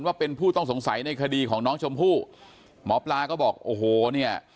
ว่าเป็นผู้ต้องสงสัยในคดีของน้องชมพู่หมอปลาก็บอกโอ้โหเนี่ย